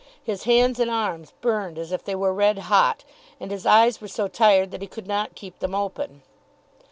His hands and arms burned as if they were red hot, and his eyes were so tired that he could not keep them open.